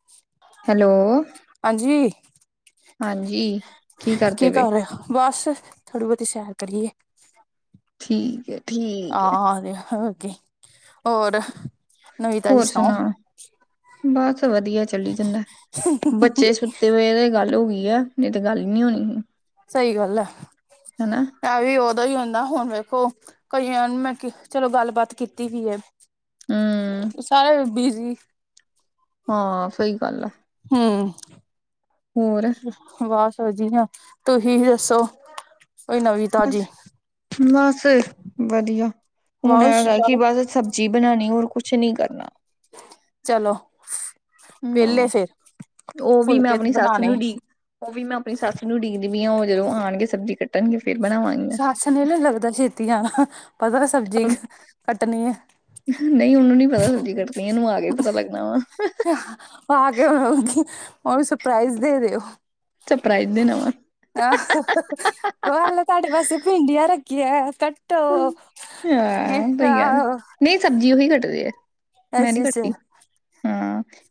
[inaudible] Hello, ਹਾਂਜੀ ਹਾਂਜੀ। ਕਰਦੇ ਕੀ ਪਏ ਕਰ ਰੇ ਓ, ਬਸ ਥੋੜੀ ਬੌਤੀ ਸੈਰ ਕਰੀਏ ਠੀਕ ਹੈ ਠੀਕ ਹੈ ਆਹ ਓਕੇ ਹੋਰ ਨਵੀ ਤਾਜੀ ਸੁਣਾਓ ਬਸ ਵਦੀਆ ਚੱਲੀ ਜਾਂਦਾ, ਬੱਚੇ ਸੁੱਤੇ ਪਏ ਤੇ ਗੱਲ ਹੋ ਗਈ ਆ ਨਈ ਤੇ ਗੱਲ ਨਹੀਂ ਹੋਨੀ ਹੀ ਸਈ ਗਲ ਐ। ਹਨਾ ਐ ਵੀ ਉਦੋਂ ਈ ਹੁੰਦਾ ਹੁਣ ਵੇਖੋ, ਕਈਆ ਨੂੰ ਮੈਂ ਚਲੋ ਗੱਲਬਾਤ ਕੀਤੀ ਵੀ ਏ। ਹਮ ਸਾਰੇ ਬਿਜੀ ਹਾਂ ਸਈ ਗੱਲ ਆ ਹੂੰ। ਹੋਰ ਬਸ ਵਦੀਆ ਤੁਹੀਂ ਵੀ ਦੱਸੋ ਕੋਈ ਨਵੀਂ ਤਾਜ਼ੀ ਬਸ ਬਸ ਵਦੀਆ ਹੁਣ ਬਸ ਐ ਕਿ ਬਸ ਸਬ ਜੀ ਬਣਾਣੀ ਹੋਰ ਕੁਛ ਨੀ ਕਰਨਾ। ਚਲੋ ਵਿਹਲੇ ਹੂੰ ਫੇਰ ਓ ਵੀ ਮੈਂ ਫੁਲਕੇ ਆਪਣੀ ਸੱਸ ਬਣਾਉਣੇ ਨੂੰ ਡੀ ਓ ਵੀ ਮੈਂ ਆਪਣੀ ਸੱਸ ਨੂੰ ਡਿੱਕਦੀ ਵੀ ਆਂ, ਓ ਜਦੋਂ ਆਣਗੇ ਸਬਜ਼ੀ ਕੱਟਣਗੇ ਫੇਰ ਬਣਾਵਾਂਗੀ ਮੈਂ। ਸਨਲ ਲੱਗਦਾ ਛੇਤੀ ਜਾਣਾ ਪਤਾ ਸਬਜ਼ੀ ਕੱਟਣੀ ਐ। ਨਈ ਉਨੂੰ ਨੀ ਪਤਾ ਸਬਜ਼ੀ ਕੱਟਣੀ ਇਨੂੰ ਆ ਕੇ ਪਤਾ ਲੱਗਣਾ ਵਾ। ਆ ਕੇ ਓ ਵੀ ਸਰਪ੍ਰਾਈਜ਼ ਦੇ ਦਿਓ। ਸਪਰਾਈ ਦੇਨਾ ਵਾ। ਕੌ ਐ ਲੋ ਤੁਆਡੇ ਵਾਸਤੇ ਭਿੰਡੀਆਂ ਰੱਖੀ‌ਐ। ਟੋ ਹਾਂ ਗਿਫ਼ਟ ਆਓ। ਨਈ ਸਬਜ਼ੀ ਉਹੀ ਕੱਟਦੇ ਐ। ਅੱਛ, ਅੱਛਾ।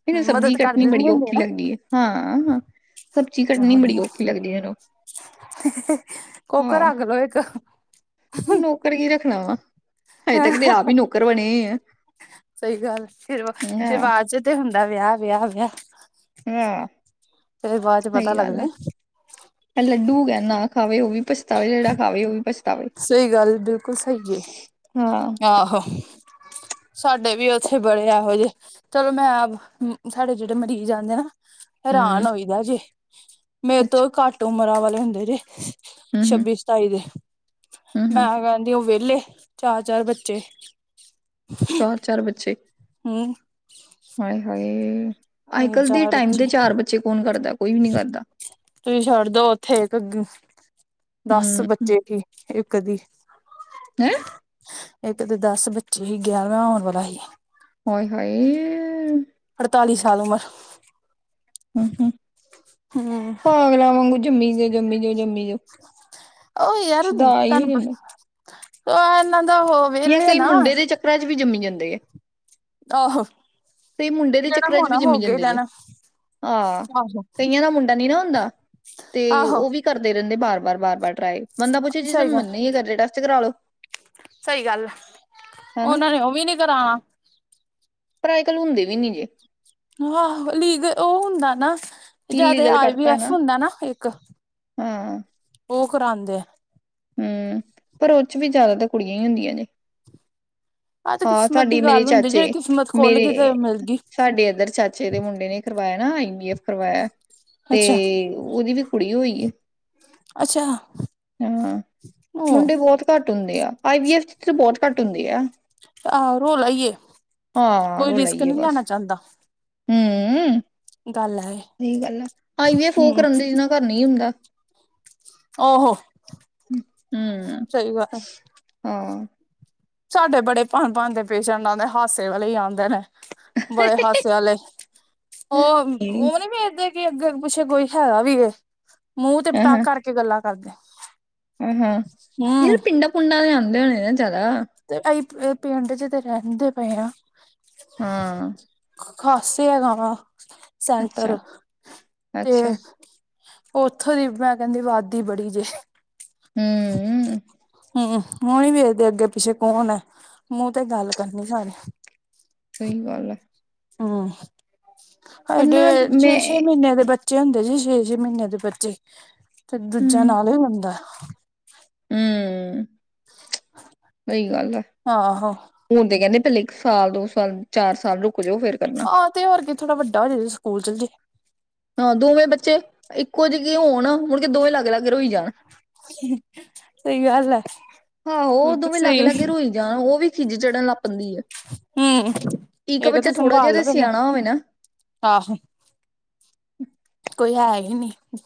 ਮੈਨੂੰ ਸਬਜ਼ੀ ਕੱਟਣੀ ਬੜੀ ਓਖੀ ਲੱਗਦੀ, ਹਾਂ। ਹਾਂ ਚ। ਸਬਜ਼ੀ ਕੱਟਣੀ ਬੜੀ ਓਖੀ ਲੱਗਦੀ ਓਨੂੰ। ਕੋੱਕ ਰਖਲਓ ਇੱਕ। ਫ੍ਰੀ ਰੱਖਣਾ ਵਾ, ਹਜੇ ਤੱਕ ਤੇ ਆਪ ਈ ਨੌਕਰ ਬਣੇ ਆ। ਸਈ ਗੱਲ ਫੇਰ ਵ, ਹਾਂ ਸ਼ੁਰੂਆਤ ਚ ਤੇ ਹੁੰਦਾ ਵਿਆਹ, ਵਿਆਹ, ਵਿਆਹ। ਹਾਂ ਫੇਰ ਬਾਦ ਚ ਪਤਾ ਲੱਗਦਾ। ਐ ਲੱਡੂ ਹੈਗਾ ਨਾ ਖਾਵੇ ਓ ਵੀ ਪਛਤਾਵੇ, ਜੇੜਾ ਖਾਵੇ ਓ ਵੀ ਪਛ ਸਈ ਗੱਲ ਬਿਲਕੁਲ ਸਈ ਏ। ਹਾਂ। ਆਹੋ। ਸਾਡੇ ਵੀ ਓੱਥੇ ਬੜੇ ਐਹੋ ਜੇ, ਚਲੋ ਮੈਂ ਸਾਡੇ ਜੇੜੇ ਮਰੀਜ਼ ਆਂਦੇ ਨਾ ਹਮ ਹੈਰਾਨ ਹੋਈਦਾ ਜੇ ਮੇਰੇ ਅੱਛਾ ਤੋਂ ਘੱਟ ਉਮਰਾਂ ਵਾਲੇ ਹੁੰਦੇ ਜੇ। ਹਮ ਹਮ ਛੱਬੀ, ਸਤਾਈ ਦੇ ਹਮ ਹਮ ਮੈਂ ਕੈਂਦੀ ਓ ਵਿਹਲੇ। ਚਾਰ ਬੱਚੇ ਚਾਰ-ਚਾਰ ਬੱਚੇ, ਹੂੰ ਹਾਏ-ਹਾਏ। ਮੇਰੇ ਅੱਜ-ਕੱਲ ਦੇ ਚਾਰ ਟਾਈਮ ਬੱਚੇ ਤੇ ਚਾਰ ਬੱਚੇ ਕੌਣ ਕਰਦਾ, ਕੋਈ ਵੀ ਨੀ ਕਰਦਾ। ਤੁਸੀਂ ਛੱਡ ਦੋ ਓੱਥੇ ਇੱਕ, ਦੱਸ ਹਮ ਬੱਚੇ ਕੀ ਇੱਕ ਦੀ। ਹੈਂ ਇੱਕ ਤਾਂ ਦਸ ਬੱਚੇ ਹੀ ਗਿਆਰਵਾਂ ਆਉਣ ਵਾਲਾ ਸੀ। ਓਅੇ ਹਇਹ। ਅੜਤਾਲੀ ਸਾਲ ਉਮਰ। ਹਮ-ਹਮ, ਹੂੰ ਪਾਗਲਾ ਵਾਂਗੂ ਜੰਮੀ ਜੋ ਜੰਮੀ ਜੋ ਜੰਮੀ ਜੋ। ਓ ਯਾਰ ਹੋ ਤਨਪ, ਜਾਂਦਾ ਆ ਇਨਾ ਦਾ- ਜਾਂ ਵਿਹਲੇ ਕਈ ਨਾ ਮੁੰਡੇ ਦੇ ਚੱਕਰਾਂ ਚ ਵੀ ਜੰਮੀ ਜਾਂਦੇ ਹੈ। ਆਹੋ। ਕਈ ਮੁੰਡੇ ਦੇ ਜਿਹੜਾ ਚੱਕਰਾਂ ਚ ਹੋਣਾ ਵੀ ਹੋ ਜੰਮੀ ਗਿਆ ਜਾਂਦੇ ਜੇ ਰਹਿਣਾ ਆਹ ਆਹੋ ਕਈਆਂ ਦਾ ਮੁੰਡੇ। ਡਾ ਨ ਨਾ ਹੁੰਦਾ ਤੇ ਆਹੋ ਉਹ ਵੀ ਕਰਦੇ ਰਹਿੰਦੇ ਬਾਰ ਬਾਰ ਬਾਰ ਬਾਰ ਟਰਾਏ। ਮੰੰਦਾ ਪੁੱਛੇ ਜੀ ਸਹੀ ਤੁਹਾਨੂੰ ਗੱਲ ਮੰਨੇ ਕਰ ਰਿ ਟੈਸਟ ਕਰਾਾਲੋ। ਸਹੀ ਗੱਲ ਉਹਨਾਂ ਨੇ ਉਹ ਵੀ ਨੀ ਕਰਾਉਣਾ। ਲ ਹੁੰਦੇ ਵੀ ਨੀ ਜੇ। ਆਹੋ ਲੀਗ ਉਹ ਹੁੰਦਾ ਨਾ ਜਿਆਦੇ ਇਲੀਗਲ ਆਈ ਬੀ ਕਰਤਾ ਐਫ ਹੁੰਦਾ ਨਾ ਇੱਕ। ਹਾਂ ਉਹ ਕਰਉਂਦੇ ਆ। ਹਮ ਪਰ ਉਹ ਚ ਵੀ ਜਿਆਦਾ ਤਾਂ ਕੁੜੀਆਂ ਹੀ ਹੁੰਦੀਆਂ ਜੇ। ਆਹ ਤੇ ਹਾਂ ਕਿਸਮਤ ਦੀ ਤੁਡੀ ਮੇਰੇ ਗੱਲ ਹੁੰਦੀ ਜਿਹੜੀ ਚਾਚੇ ਕਿਸਮਤ ਖੁੱਲ ਗਈ ਤੇ ਮੇਰੇ। ਮਿਲ ਗਈ ਸਾਡੇ ਇੱਧਰ ਚਾਚੇ ਦੇ ਮੁੰਡੇ ਨੇ ਕਰਵਾਇਆ ਨਾ ਆਈ ਬੀ ਐਫ ਕਰਵਾਇਆ ਤੇ ਅੱਛਾ ਉਹਦੀ ਵੀ ਕੁੜੀ ਹੋਈ ਹੈ। ਅੱਛਾ ਉਹ। ਮੁੰਡੇ ਬਹੁਤ ਘੱਟ ਹੁੰਦੇ ਆ ਆਈ ਵੀ ਐਫ 'ਚ ਬਹੁਤ ਘੱਟ ਹੁੰਦੇ ਆ। ਆਹੋ ਰੋ ਲਾ ਈਏ, ਹਾਂ ਕੋਈ ਰਿਸਕ ਨਹੀਂ ਲੈਣਾ ਚਾਹੁੰਦਾ। ਹਮ ਗੱਲ ਹੈ। ਸਹੀ ਗੱਲ ਆ ਹਲੇ ਵੀ ਫੁਕ ਕਰਨਦੇ ਜਿਨਾ ਦੇ ਘਰ ਨਹੀਂ ਹੁੰਦਾ। ਓਹੋ। ਹਮ, ਸਹੀ ਗੱਲ ਹਾਂ। ਸਾਡੇ ਬੜੇ ਭਣ-ਭਣ ਦੇ ਪੇਸ਼ੈਂਟ ਆਉਂਦੇ ਹਾਸੇ ਵਾਲੇ ਹੀ ਆਉਂਦੇ ਨੇ। ਬੜੇ ਹਾਸੇ ਵਾਲੇ ਉਹ-ਉਹ ਨੀ ਪੈਜਦੇ ਦੇ। ਕਿ ਅੱਗੇ-ਪਿੱਛੇ ਕੋਈ ਹੈ ਵੀ ਇਹ ਮੂੰਹ ਤੇ ਪਟਾਖ ਕਰਕੇ ਗੱਲਾਂ ਕਰਦੇ। ਹਮ-ਹਮ, ਯਾਰ ਹੂੰ ਪਿੰਡਾਂ-ਪੁੰਡਾਂ ਦੇ ਆਉਂਦੇ ਹੋਣੇ ਆ ਜ਼ਿਆਦਾ। ਤੇ ਅਸੀ ਪਿੰਡ ਚ ਤੇ ਰਹਿੰਦੇ ਪਏ ਆ। ਹਾਂ। ਖ਼ਾਸੇ ਹੈਗਾ ਵਾਂ ਅੱਛਾ ਸੈਂਟਰ ਤੇ ਅੱਛਾ ਉੱਥੋਂ ਦੀ ਮੈਂ ਕਹਿੰਦੀ ਵਾਦੀ ਬੜੀ ਜੇ, ਹੂੰ ਹਮ। ਮੂੰ ਨਹੀਂ ਵੇਖਦੇ ਅੱਗੇ-ਪਿੱਛੇ ਕੌਣ ਹੈ ਮੂੰਹ ਤੇ ਗੱਲ ਕਰਨੀ ਸਾਰੇ। ਸਹੀ ਗੱਲ ਹੈਏ। ਹਮ, ਪਰ ਹਡੇ ਨਾ ਤੇ ਮੈਂ ਛੇ-ਛੇ ਮਹੀਨੇ ਦੇ ਬੱ ਬੱਚੇ ਹੁੰਦੇ ਸੀ ਛੇ-ਛੇ ਮਹੀਨੇ ਦੇ ਬੱਚੇ ਤੇ ਦੂਜਾ ਨਾਲ ਹੀ ਹੁੰਦਾ। ਹਮ, ਸਹੀ ਗੱਲ ਆ। ਆਹੋ। ਹੁਣ ਤੇ ਕਹਿੰਦੇ ਪਹਿਲੇ ਇੱਕ ਸਾਲ ਦੋ ਸਾਲ ਚਾਰ ਸਾਲ ਰੁਕ ਜਓ ਫਿਰ। ਆਹ ਤੇ ਹੋਰਗੇ ਥੋੜਾ ਵੱਡਾ ਹੋ ਜੇ ਸਕੂਲ ਚਲ ਜੇ। ਹਾਂ ਦੋਵੇਂ ਬੱਚੇ ਇੱਕੋ ਜਿਹੇ ਹੋਣ ਮੁੜ ਕੇ ਦੋਵੇਂ ਅਲੱਗ-ਅਲੱਗ ਰੋਈ ਜਾਣ। ਸਹੀ ਗੱਲ ਹੈ। ਹਾਂੋ ਉਹ ਉਦੋਂ ਬਿਲਕੁਲ ਵੀ ਸਹੀ ਅਲੱਗ-ਅਲੱਗ ਰੋਈ ਜਾਣ ਉਹ ਵੀ ਖਿਜ ਚੜਨ ਲੱਗ ਪੈਂਦੀ ਹੈ। ਹਮ, ਇੱਕ ਇਹ ਕਿ ਤੇ ਬੱਚਾ ਥੋੜਾ ਜਿਹਾ ਸੰਭਾਲ ਤੇ ਲਵੇ ਮੈ, ਸਿਆਣਾ ਆਹੋ। ਹਮ ਕੋਈ ਹੈ ਹੀ ਨਹੀਂ।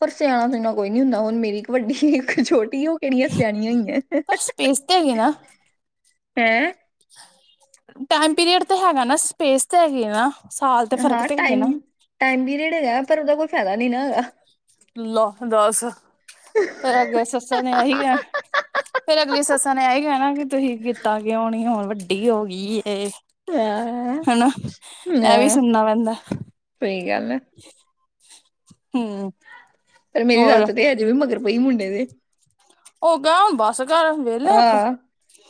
ਪਰ ਸਿਆਣਾ ਸੁਆਣਾ ਕੋਈ ਨੀ ਹੁੰਦਾ ਹੁਣ ਮੇਰੀ ਇੱਕ ਵੱਡੀ ਛੋਟੀ ਉਹ ਕਿਹੜੀਆਂ ਸਿਆਣੀਆਂ ਹੈਗੀਆ। ਪਰ ਸਪੇਸ ਤੇ ਹੈਗੀ ਨਾ। ਹੈਂ। ਟਾਈਮ ਪੀਰੀਅਡ ਤੇ ਹੈਗਾ ਨਾ, ਸਪੇਸ ਤੇ ਹੈਗੀ ਨਾ। ਸਾਲ ਤੇ ਫ਼ਰਕ ਹਾਂ, ਤੇ ਹੈਗੇ ਟਾਈਮ, ਨਾ ਟਾਈਮ ਪੀਰੀਅਡ ਹੈਗਾ ਪਰ ਉਹਦਾ ਕੋਈ ਫਾਇਦਾ ਨਹੀਂ ਨਾ, ਹੈਗਾ। ਲੌ, ਦੱਸ ਫਿਰ ਅੱਗੇ ਸੱਸਾਂ ਨੇ ਏ ਹੀ ਕਹਿਣਾ। ਫਿਰ ਅਗਲੀ ਸੱਸਾਂ ਨੇ ਇਹੀ ਕਹਿਣਾ ਕਿ, ਤੁਹੀ ਕੀਤਾ ਕਿਉਂ ਨਹੀਂ, ਹੁਣ ਵੱਡੀ ਹੋ ਗਈ ਹੈ। ਹਾਂ ਹਨਾ, ਐ ਵੀ ਹਾਂ ਸੁਣਨਾ ਪੈਂਦਾ। ਸਹੀ ਗੱਲ ਐ। ਹੂੰ। ਪਰ ਮੇਰੀ ਹੋਰ ਸੱਸ ਤੇ ਅਜੇ ਵੀ ਮਗਰ ਪਈ ਮੁੰਡੇ ਦੇ। ਉਹ ਗਾਂਹ, ਬਸ ਕਰ। ਵਿਹਲੇ ਆਪਾਂ ਆ,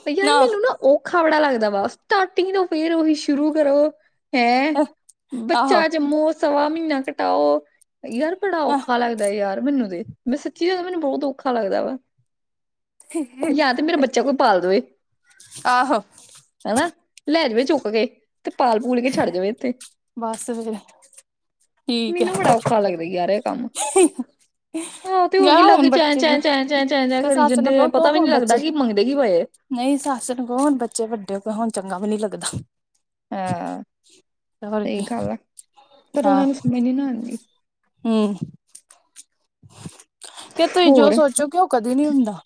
ਯਾਰ ਮੀੰਨੂੰ ਨਾ ਓਖਾ ਬੜਾ ਲੱਗਦਾ ਵਾ, ਸਟਾਰਟਿੰਗ ਤੋਂ ਫੇਰ ਉਹੀ ਸ਼ੁਰੂ ਕਰੋ। ਹੈਂ! ਆਹੋ ਬੱਚਾ ਜੰਮੋ ਸੱਵਾ ਮਹੀਨਾ ਕਟਾਓ, ਯਾਰ ਬੜਾ ਔਖਾ ਲੱਗ ਦਾ ਯਾਰ ਮੀੰਨੂ ਤੇ, ਮੈਂ ਸੱਚੀ ਯਾਰ ਮੈਨੂੰ ਬਹੁਤ ਔਖਾ ਲੱਗਦਾ ਵਾ। ਯਾ ਤੇ ਮੇਰਾ ਬੱਚਾ ਕੋਈ ਪਾਲ ਦਵੇ। ਆਹੋ ਹਨਾ, ਲੈਜਵੇ ਚੁੱਕਕੇ। ਤੇ ਪਾਲ-ਪੂਲਕੇ ਛੱਡ ਜਵੇ ਇੱਥੇ, ਬਸ ਫਿਰ ਠੀਕ ਹੈ ਮੀੰਨੂ ਬੜਾ ਔਖਾ ਲੱਗ ਰੀਆ ਹੈਗਾ, ਤੇ ਹੋਰ ਗਿਆ ਕੀ ਹੁਣ ਲਾਗੇ ਬੱਚੇ ਚੈਂਚੈਂ, ਚੈਂ, ਚੈਂ, ਚੈਂ, ਚੈਂ ਤੇ ਕਰੀ ਸੱਸ ਨੂੰ ਜਾਂਦੇ ਆ। ਕਹੋ ਕਹੋ ਪਤਾ ਵੀ ਨਹੀਂ ਹੁਣ ਬੱਚੇ ਲੱਗਦਾ, ਕਿ ਮੰਗਦੇ, ਕੀ ਪਏ ਆ। ਨਹੀਂ ਸੱਸ ਨੂੰ ਕਹੋ ਹੁਣ ਬੱਚੇ ਵੱਡੇ ਹੋ ਗਏ, ਹੁਣ ਚੰਗਾ ਵੀ ਨੀ ਲੱਗਦਾ। ਹਾਂ, ਹੋਰ ਸਹੀ ਕੀ ਗੱਲ ਆ, ਪਰ ਹਾਂ ਉਹਨਾਂ ਨੂੰ ਸਮਝ ਨਹੀਂ ਨਾ ਆਂਦੀ। ਹੂੰ। ਕਹਿ, ਤੁਹੀ ਜੋ ਹੋਰ ਸੋਚੋਗੇ ਉਹ ਕਦੀ ਨਹੀਂ ਹੁੰਦਾ।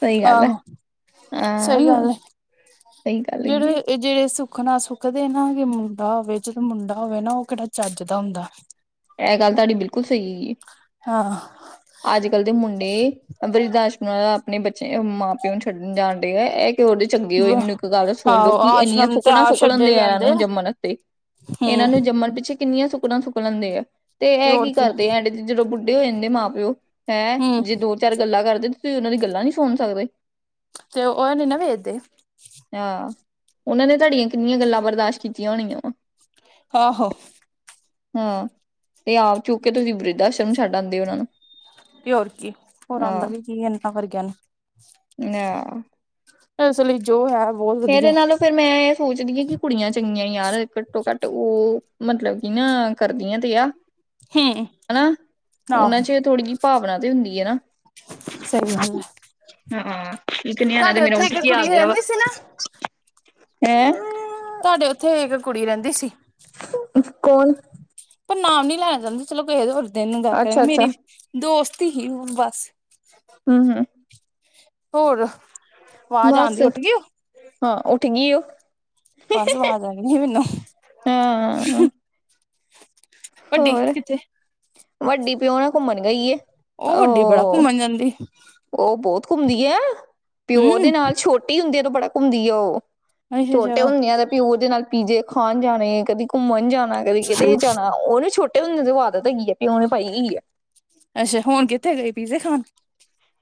ਸਹੀ ਗੱਲ ਆ ਆਹੋ। ਸਹੀ ਹਾਂ ਗੱਲ ਐ। ਸਹੀ ਗੱਲ ਹੈਗੀ ਜਿਹੜੇ ਏ, ਇਹ ਜਿਹੜੇ ਸੁੱਖਨਾ ਸੁਖਦੇ ਨਾ ਕਿ ਮੁੰਡਾ ਹੋਵੇ, ਜਦੋਂ ਮੁੰਡਾ ਹੋਵੇ ਨਾ, ਉਹ ਕਿਹੜਾ ਚੱਜ ਦਾ ਹੁੰਦਾ। ਐਹ ਗੱਲ ਤੁਹਾਡੀ ਬਿਲਕੁਲ ਸਹੀ ਈ, ਹਾਂ ਅੱਜ-ਕੱਲ ਦੇ ਮੁੰਡੇ ਅ ਬ੍ਰਿੱਧ ਆਸ਼੍ਰਮ ਆਪਣੇ ਬੱਚੇ, ਮਾਂ-ਪਿਓ ਨੂੰ ਛੱਡਣ ਜਾਣ ਡਿਆ ਇਹ ਕੀ ਓਹਡੀ ਚੰਗੇ ਹੋਏ, ਮੈਨੂੰ ਇੱਕ ਗੱਲ ਸੁਣਲੋ, ਆਹੋ ਕਿ ਇੰਨੀਆਂ ਆਸ਼ਰਮ ਤੇ ਆਪ ਸੁੱਖਣਾ-ਸੁੱਖ ਛੱਡੇ ਲੈਂਦੇ ਆ, ਇਹਨਾਂ ਜਾਂਦੇ ਨੂੰ ਜੰਮਨ ਵਾਸਤੇ। ਇਹਨਾਂ ਹਮ ਨੂੰ ਜੰਮਣ ਪਿੱਛੇ ਕਿੰਨੀਆਂ ਸੁੱਕਣਾ ਸੁੱਖ ਲੈਂਦੇ ਆ, ਤੇ ਐ ਕੀ ਕਰਦੇ ਆ, ਐਂਡ'ਚ ਜਦੋਂ ਬੁੱਢੇ ਹੋ ਜਾਂਦੇ ਮਾਂ-ਪਿਓ ਹੈਂ! ਹਮ ਜੇ ਦੋ-ਚਾਰ ਗੱਲਾਂ ਕਰਦੇ, ਤੁਸੀਂ ਉਹਨਾਂ ਦੀ ਗੱਲਾਂ ਨਹੀਂ ਸੁਣ ਸਕਦੇ। ਤੇ, ਉਹ ਨਹੀਂ ਨਾ ਵੇਖਦੇ। ਆ! ਉਹਨਾਂ ਨੇ ਤੁਹਾਡੀਆਂ ਕਿੰਨੀਆਂ ਗੱਲਾਂ ਬਰਦਾਸ਼ਤ ਕੀਤੀਆਂ ਹੋਣੀਆਂ ਵਾ। ਆਹੋ। ਹਾਂ, ਤੇ ਆਪ ਚੁੱਕਕੇ ਤੁਸੀਂ ਬ੍ਰਿੱਧ-ਆਸ਼ਰਮ ਛੱਡ ਆਂਦੇ, ਓਹਨਾਂ ਨੂੰ। ਤੇ ਹੋਰ ਕੀ, ਹੋਰ ਆਂਦਾ ਹਾਂ ਵੀ ਕੀ ਇਹਨਾਂ ਵਰਗਿਆਂ ਨੂੰ। ਨਾ। ਇਸ ਲਈ ਜੋ ਹੈ, ਬਹੁਤ ਵਧੀਆ। ਇਹਦੇ ਨਾਲੋਂ ਫਿਰ ਮੈਂ ਇਹ ਸੋਚਦੀ ਆਂ, ਕਿ ਕੁੜੀਆਂ ਚੰਗੀਆਂ ਯਾਰ, ਘੱਟੋ-ਘੱਟ ਉਹ ਮਤਲਬ ਕਿ ਨਾ, ਕਰਦੀਆਂ ਤੇ ਆ। ਹਮ ਹਣਾ। ਉਹਨਾਂ ਆਹੋ 'ਚ ਇਹ ਥੋੜ੍ਹੀ ਜਿਹੀ ਭਾਵਨਾ ਤੇ ਹੁੰਦੀ ਹੈ ਨਾ। ਸਹੀ ਗੱਲ ਹੈ ਹਾਂ, ਇੱਕ ਨਿਆਣਾ ਤੇ ਤੁਹਾਡੇ ਮੇਰਾ ਉੱਥੇ ਇੱਕ ਉੱਠਕੇ ਕੁੜੀ ਆਗਿਆ ਵਾ। ਰਹਿੰਦੀ ਸੀ ਨਾ ਹੈਂ? ਤੁਹਾਡੇ ਉੱਥੇ ਇੱਕ ਕੁੜੀ ਰਹਿੰਦੀ ਸੀ। ਕੋਣ? ਪਰ ਨਾਮ ਨੀ ਲਿਆ ਜਾਂਦਾ, ਚਲੋ ਕਿਹੇ ਹੋਰ ਦਿਨ ਨੂੰ ਗੱਲ ਕਰਾਂਗੇ, ਅੱਛਾ ਅੱਛਾ ਮੇਰੀ ਦੋਸਤ ਹੀ ਬਸ। ਹੂੰ, ਹੂੰ ਹੋਰ। ਬਸ, ਆਉਂਦੀ ਉੱਠ ਗਈ ਉਹ ਹਾਂ ਉੱਠਗੀ, ਉਹ। ਬਸ ਆਵਾਜ਼ ਆਗਈ ਆ, ਮੈਨੂੰ। ਹਾਂ ਵੱਡੀ ਹੋਰ ਕਿੱਥੇ ਵੱਡੀ ਪਿਓ ਨਾ ਘੁੰਮਣ ਗਈ ਹੈ। ਵੱਡੀ ਬੜਾ ਉਹ ਘੁੰਮਣ ਜਾਂਦੀ ਉਹ ਬਹੁਤ ਘੁੰਮਦੀ ਆ ਪਿਓ ਦੇ ਹਮ ਨਾਲ ਛੋਟੇ ਛੋਟੀ ਹੁੰਦੀ ਆ ਬੜਾ ਘੁੰਮਦੀ ਆ ਉਹ ਅੱਛਾ ਛੋਟੇ ਅੱਛਾ ਹੁੰਦੇ ਆ ਤੇ ਪਿਓ ਦੇ ਨਾਲ ਪੀਜੇ ਖਾਣ ਜਾਣੇ ਕਦੀ ਘੁੰਮਣ ਜਾਣਾ ਕਦੀ ਕਿਤੇ ਜਾਣਾ ਉਹਨੇ ਛੋਟੇ ਹੁੰਦੇ ਦੀ ਆਦਤ ਹੈਗੀ ਹੈ ਪਿਓ ਨੇ ਪਾਈ ਹੋਈ ਹੈ। ਅੱਛਾ ਹੁਣ ਕਿੱਥੇ ਗਏ ਪੀਜੇ ਖਾਣ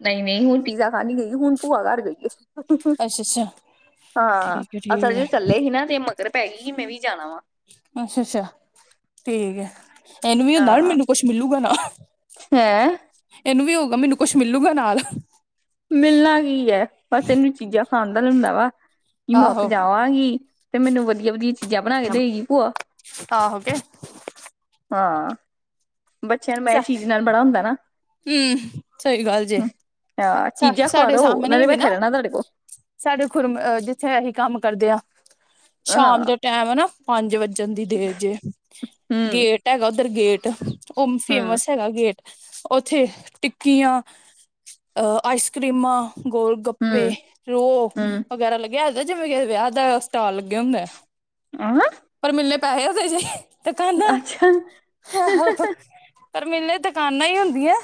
ਨਹੀਂ ਨਹੀਂ ਉਹ ਪੀਜ਼ਾ ਖਾਣ ਗਈਆਂ ਹੁਣ ਭੂਆ ਘਰ ਗਈ ਹੈ। ਅੱਛਾ ਅੱਛਾ ਹਾਂ ਠੀਕ ਹੈ ਠੀਕ ਅਸਲ ਹੈ ਇਹ ਚੱਲੇ ਸੀ ਨਾ ਤੇ। ਮਗਰ ਪੈ ਗਈ ਮੈਂ ਵੀ ਜਾਣਾ ਵਾ। ਅੱਛਾ ਅੱਛਾ ਠੀਕ ਹੈ। ਇਹਨੂੰ ਵੀ ਹੁੰਦਾ ਹਾਂ ਮੈਨੂੰ ਕੁਛ ਮਿਲੂਗਾ ਨਾਲ। ਹੈਂ ਇਹਨੂੰ ਵੀ ਹੋਊਗਾ ਮੈਨੂੰ ਕੁਛ ਮਿਲੂਗਾ ਨਾਲ। ਮਿਲਣਾ ਹੀ ਹੈ ਬਸ ਇਹਨੂੰ ਚੀਜ਼ਾਂ ਖਾਂਦਾ ਰਹਿੰਦਾ ਵਾ। ਕੀ ਮੈਂ ਉੱਥੇ ਆਹੋ ਜਾਵਾਂਗੀ ਤੇ ਮੈਨੂੰ ਵਧੀਆ ਵਧੀਆ ਚੀਜ਼ਾਂ ਬਣਾ ਕੇ ਦਏਗੀ ਭੂਆ। ਹਾਂ ਹੋ ਕੇ ਹਾਂ। ਬੱਚਿਆਂ ਨੂੰ ਮੈਂ ਚੀਜ਼ ਨਾਲ ਬੜਾ ਹੁੰਦਾ ਨਾ ਹਮ ਸਹੀ ਗੱਲ ਜੇ ਹੂ। ਚੀਜ਼ਾਂ ਖਵਾ ਸਾਡੇ ਦੋ ਮੈਂ ਸਾਹਮਣੇ ਵੀ ਹੈਗੀ ਨਾ ਬੈਠੇ ਰਹਿਣਾ ਤੁਹਾਡੇ ਕੋਲ। ਸਾਡੇ ਖੁਰਮ ਜਿੱਥੇ ਅਸੀਂ ਕੰਮ ਕਰਦੇ ਹਾਂ। ਸ਼ਾਮ ਹਾਂ ਦੇ ਟੈਮ ਹੈ ਨਾ ਪੰਜ ਵੱਜਣ ਦੀ ਦੇਰ ਚ ਹਮ ਗੇਟ ਹੈਗਾ ਉੱਧਰ ਗੇਟ ਉਹ ਹਮ ਫੇਮਸ ਹੈਗਾ ਗੇਟ ਉੱਥੇ ਟਿੱਕੀਆਂ ਆਈਸ ਕਰ੍ਰੀਮਾਂ ਗੋਲ ਗੱਪੇ ਹਮ ਰੋਹ ਹਮ ਵਗੈਰਾ ਲੱਗਿਆ ਹੁੰਦਾ ਜਿਵੇਂ ਕਿ ਵਿਆਹ ਦਾ ਸਟਾਲ ਲੱਗਿਆ ਹੁੰਦਾ ਆ [unintelligible] ਪਰ ਮਿਲਣੇ ਪੈਸੇ ਉਹਦੇ ਜੇ ਤੇ ਦੁਕਾਨਾਂ ਅੱਛਾ ਆਓ ਪਰ ਮਿਲਨੀ ਆ ਦੁਕਾਨਾਂ ਹੀ ਹੁੰਦੀਆਂ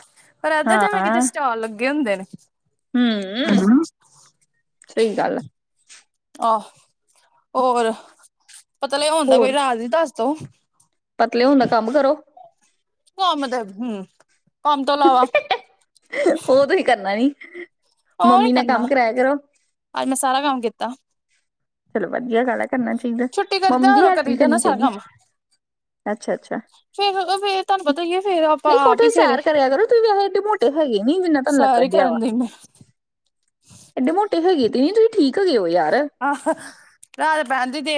ਪਰ ਇਦਾਂ ਜਿਵੇਂ ਕਿਤੇ ਸਟੋਲ ਲੱਗੇ ਹੁੰਦੇ ਨੇ ਹੂ ਸਹੀ ਗੱਲ ਆ ਆਹ ਹੋਰ ਪਤਾ ਲੱਗਾ ਹੁਣ ਕੋਈ ਹੋਰ ਰਾਜ ਹੀ ਦੱਸ ਦੋ ਪਤਲੇ ਹੋਣ ਦਾ ਕੰਮ ਕਰੋ ਕੰਮ ਦੇ ਹੂ ਕੰਮ ਤੋਂ ਇਲਾਵਾ ਉਹ ਤੁਸੀਂ ਕਰਨਾ ਨੀ ਉਹੀ ਮੰਮੀ ਨਾਲ ਕਰਨਾ ਕੰਮ ਕਰਾਇਆ ਕਰੋ ਅੱਜ ਮੈਂ ਸਾਰਾ ਕੰਮ ਕੀਤਾ ਚਲੋ ਵਧੀਆ ਗੱਲ ਹੈ ਕਰਨਾ ਚਾਹੀਦਾ ਛੁੱਟੀ ਕਰੀਦਾ ਮੰਮੀ ਦੀ ਔਰ ਹੈਲਪ ਵੀ ਕਰੀਦਾ ਕਰਨੀ ਨਾ ਸਾਰਾ ਚਾਹੀਦੀ ਕੰਮ ਅੱਛਾ ਅਛਾ ਫਿਰ ਫਿਰ ਤੁਹਾਨੂੰ ਪਤਾ ਹੀ ਹੈ ਫਿਰ ਆਪਾਂ ਨਹੀਂ ਆਪ ਹੀ ਕੋਠੇ ਸਵੇਰੇ ਸੈਰ ਕਰਿਆ ਕਰੋ ਤੁਸੀਂ ਵੈਸੇ ਏਡੇ ਮੋਟੇ ਹੈਗੇ ਨੀ ਜਿੰਨਾ ਤੁਹਾਨੂੰ ਸਾਰੀ ਲੱਗਣ ਡਿਆ ਵਾ ਕਰਨ ਦੀ ਮੈਂ ਏਡੇ ਮੋਟੇ ਹੈਗੇ ਤੇ ਤੁਸੀਂ ਠੀਕ ਹੈ ਗਏ ਹੋ ਯਾਰ ਅਫ ਨਾਲੇ ਬੰਨ ਦੇ ਦੀ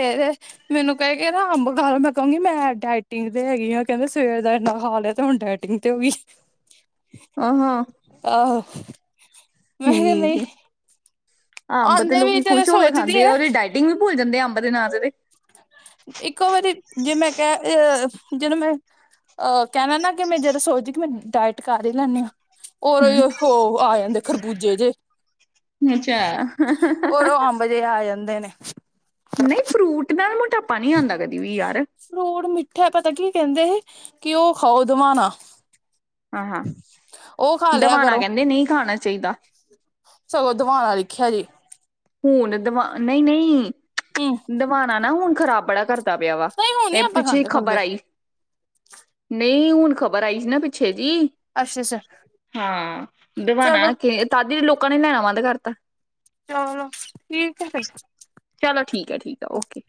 ਮੈਨੂੰ ਕਹਿ ਕੇ ਨਾ ਅੰਬ ਖਾ ਲਓ ਮੈਂ ਕਹੂੰਗੀ ਮੈਂ ਡਾਇਟਿੰਗ ਤੇ ਹੈਗੀ ਹੈ ਕਹਿੰਦੇ ਸਵੇਰ ਦਾ ਇਨਾ ਖਾ ਲਿਆ ਤੇ ਹੁਣ ਡਾਇਟਿੰਗ ਤਿੰਨ ਤੇ ਉਹ ਵੀ [unintelligible] ਆਹੋ ਮੈਰ ਠੀਕ ਨਹੀਂ ਹੈ ਅੰਬ ਆਉਂਦੇ ਵੀ ਲੋਕੀ ਚਲੋ ਖੁਸ਼ ਹੋ ਕੇ ਸੋਚਦੀ ਖਾਂਦੇ ਆ ਉਹਦੀ ਡਾਇਟਿੰਗ ਭੁੱਲ ਜਾਂਦੇ ਆ ਅੰਬ ਦੇ ਨਾਮ ਤੇ ਇੱਕੋ ਵਾਰੀ ਜੇ ਮੈਂ ਕਿਹਾ ਅ ਜਦੋਂ ਮੈਂ ਅਹ ਕਹਿਣਾ ਨਾ ਕਿ ਮੈਂ ਜਦੋਂ ਸੋਚਦੀ ਕਿ ਮੈ ਡਾਇਟ ਕਰ ਹੀ ਇਹਦੇ ਨਾਲ ਹਮ ਹੋ ਆ ਜਾਂਦੇ ਖਰਬੂਜੇ ਜੇ ਅੱਛਾ ਉਦੋਂ ਅੰਬ ਜੇ ਆ ਜਾਂਦੇ ਨੇ। ਨਹੀਂ ਫਰੂਟ ਨਾਲ ਮੋਟਾਪਾ ਨਹੀਂ ਆਉਂਦਾ ਕਦੀ ਵੀ ਯਾਰ। ਫਰੂਟ ਮਿੱਠਾ ਪਤਾ ਕੀ ਕਹਿੰਦੇ ਸੀ ਕਿ ਉਹ ਖਾਓ ਦਵਾਣਾ। ਹਾਂ ਹਾਂ ਉਹ ਖਾ ਲਿਆ ਦਵਾਣਾ ਕਰੋ ਕਹਿੰਦੇ ਨਹੀਂ ਖਾਣਾ ਚਾਹੀਦਾ। ਸਗੋਂ ਦਵਾਣਾ ਲਖਿਆ ਜੇ ਹੁਣ ਦਵਾ ਨਈ-ਨਈ ਹੂੰ ਦਵਾਨਾ ਨਾ ਹੁਣ ਖ਼ਰਾਬ ਬੜਾ ਕਰਦਾ ਪਿਆ ਵਾ ਨਹੀਂ ਹੁਣ ਨੀ ਐ ਆਪਾਂ ਪਿੱਛੇ ਖਾਂਦੇ ਖ਼ਬਰ ਖੁੰਦੇ ਆਈ ਨਈ ਹੁਣ ਖ਼ਬਰ ਆਈ ਸੀ, ਨਾ ਪਿੱਛੇ ਦੀ ਅੱਛਾ ਅੱਛਾ ਹਾ ਦਵਾਣਾ ਚਲੋ ਕੇ ਤਦੀ ਲੋਕਾਂ ਨੇ ਲੈਣਾ ਬੰਦ ਕਰਤਾ। ਚਲੋ ਠੀਕ ਐ। ਚਲੋ ਠੀਕ ਆ-ਠੀਕ ਆ ਓਕੇ